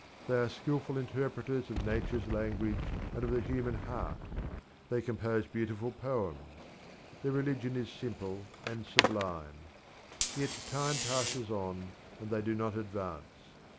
They are skilful interpreters of nature's language and of the human heart; they compose beautiful poems; their religion is simple and sublime; yet time passes on, and they do not advance.